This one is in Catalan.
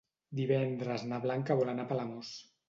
Divendres na Blanca vol anar a Palamós.